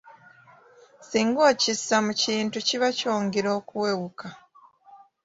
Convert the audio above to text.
Singa okissa mu kintu kiba kikyongera okuwewuka.